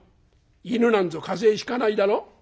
犬なんぞ風邪ひかないだろ？」。